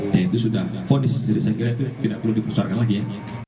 ya itu sudah fonis jadi saya kira itu tidak perlu dipusarkan lagi ya